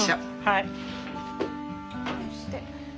はい。